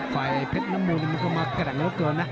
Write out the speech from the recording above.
ไฟเพศน้ำมูลมันก็มากระดังหลักแล้วนะ